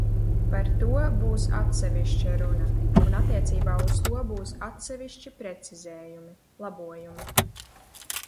Par to būs atsevišķa runa, un attiecībā uz to būs atsevišķi precizējumi, labojumi.